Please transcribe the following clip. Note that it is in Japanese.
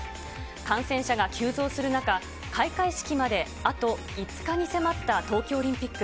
感染者が急増する中、開会式まであと５日に迫った東京オリンピック。